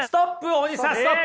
大西さんストップ！